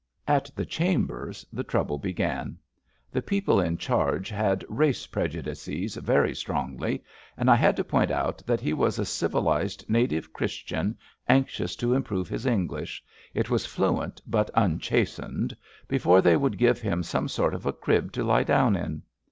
At the chambers the trouble began. The people 292 ABAFT THE FUNNEL in charge had race prejudices very strongly, and I had to point out that he was a civilised native Christian anxious to improve his English — ^it was fluent but unchastened — ^before they would give him some sort of a crib to lie down in.